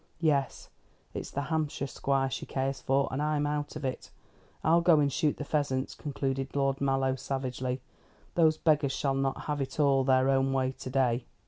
Yes, it's the Hampshire squire she cares for, and I'm out of it. I'll go and shoot the pheasants," concluded Lord Mallow savagely; "those beggars shall not have it all their own way to day."